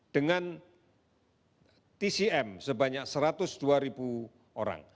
dengan tcm sebanyak satu ratus dua orang